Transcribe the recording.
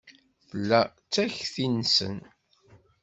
Tella d takti-nsen.